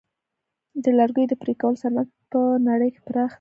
د لرګیو د پرې کولو صنعت په نړۍ کې پراخ دی.